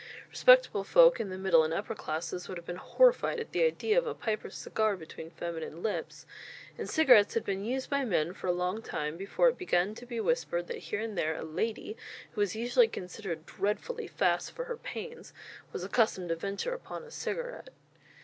Respectable folk in the middle and upper classes would have been horrified at the idea of a pipe or a cigar between feminine lips; and cigarettes had been used by men for a long time before it began to be whispered that here and there a lady who was usually considered dreadfully "fast" for her pains was accustomed to venture upon a cigarette.